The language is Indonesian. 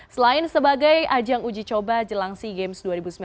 selain sebagai ajang uji coba jelang sea games dua ribu sembilan belas